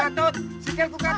pak tukang rumput